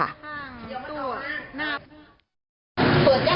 อ้าวเดี๋ยวมาต่อมา